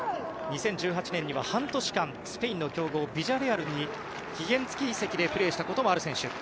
２０１８年には半年間スペインの強豪ヴィジャレアルに期限付き移籍でプレーしたこともある選手。